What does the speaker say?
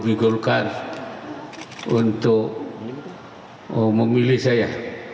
saya ingin melogi gorkar untuk memilih saya